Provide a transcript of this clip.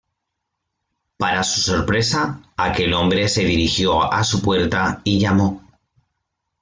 Para su sorpresa, aquel hombre se dirigió a su puerta y llamó.